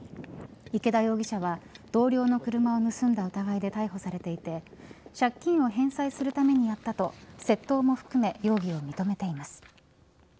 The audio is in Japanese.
池田容疑者は同僚の車を盗んだ疑いで逮捕されていて借金を返済するためにやったと窃盗も含め容疑を認めています。